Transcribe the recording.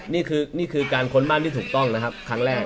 นี่คือการค้นบ้านที่ถูกต้องนะครับครั้งแรก